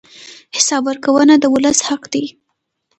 حساب ورکونه د ولس حق دی.